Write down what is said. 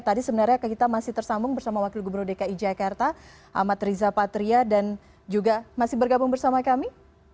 tadi sebenarnya kita masih tersambung bersama wakil gubernur dki jakarta amat riza patria dan juga masih bergabung bersama kami